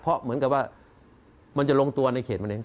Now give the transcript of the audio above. เพราะเหมือนกับว่ามันจะลงตัวในเขตมะเร็